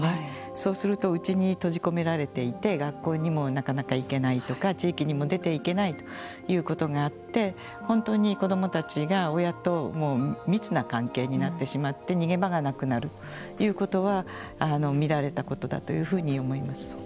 そうするとうちに閉じ込められていて学校にもなかなか行けないとか地域にも出ていけないということがあって本当に、子どもたちが親と密な関係になってしまって逃げ場がなくなるということは見られたことだというふうに思います。